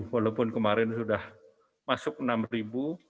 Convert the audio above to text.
walaupun kemarin sudah masuk rp enam